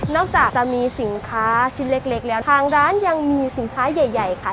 จากจะมีสินค้าชิ้นเล็กแล้วทางร้านยังมีสินค้าใหญ่ค่ะ